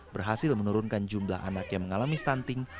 berhasil menurunkan jumlah anak yang mengalami stunting